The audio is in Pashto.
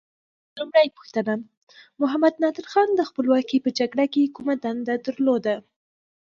لومړۍ پوښتنه: محمد نادر خان د خپلواکۍ په جګړه کې کومه دنده درلوده؟